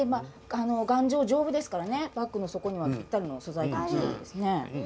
頑丈で丈夫ですからバッグの底にもぴったりの素材です。